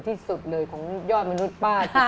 ที่สุดเลยของยอดมนุษย์ป้า